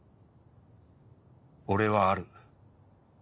俺はある。